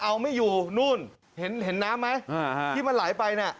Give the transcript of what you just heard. เอาไม่อยู่นู่นเห็นน้ำไหมที่มันไหลไปน่ะ